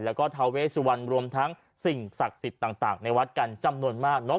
แล้วก็ทาเวสุวรรณรวมทั้งสิ่งศักดิ์สิทธิ์ต่างในวัดกันจำนวนมากเนอะ